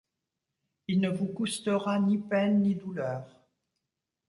Il ne vous coustera ni peine ni douleur.